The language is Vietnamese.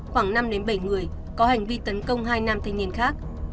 khoảng năm bảy người có hành vi tấn công hai nam thanh niên khác